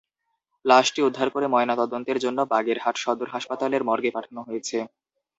লাশটি উদ্ধার করে ময়নাতদন্তের জন্য বাগেরহাট সদর হাসপাতালের মর্গে পাঠানো হয়েছে।